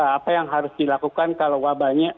apa yang harus dilakukan kalau wabahnya